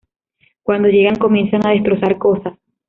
Cuando llegan, comienzan a destrozar cosas.